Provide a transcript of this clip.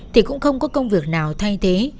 thì cũng không có công việc nào thay thế